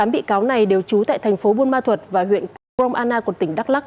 tám bị cáo này đều trú tại thành phố buôn ma thuật và huyện gromana của tỉnh đắk lắc